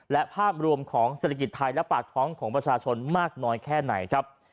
และภาพรวมของเศรษฐกิจไทยและปากท้องของประชาชนมากน้อยแค่ไหนครับ